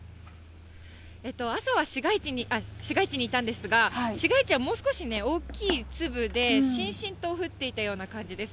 朝は市街地にいたんですが、市街地はもう少し大きい粒で、しんしんと降っていたような感じです。